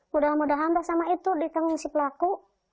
mudah mudahan bahkan sama itu ditanggung si pelaku